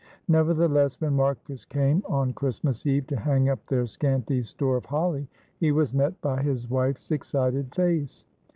Nevertheless when Marcus came on Christmas Eve to hang up their scanty store of holly, he was met by his wife's excited face.